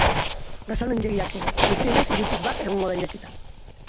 Gasolindegiak ere, gutxienez hirutik bat egongo da irekita.